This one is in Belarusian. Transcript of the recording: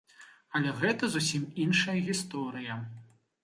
Але гэта зусім іншая гісторыя.